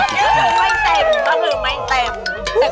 เอาไปสัก๔๕